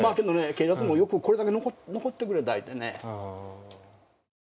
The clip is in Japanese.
警察も、よくこれだけ残ってくれた言うてね。